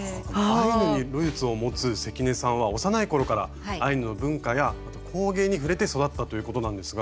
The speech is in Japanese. アイヌにルーツを持つ関根さんは幼い頃からアイヌの文化や工芸に触れて育ったということなんですが。